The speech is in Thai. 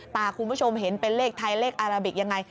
คุณผู้ชมเห็นเป็นเลขไทยเลขอาราบิกยังไง